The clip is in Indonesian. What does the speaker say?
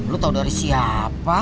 lu tau dari siapa